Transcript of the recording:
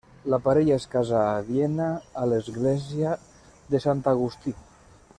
La parella es casà a Viena a l'església de Sant Agustí.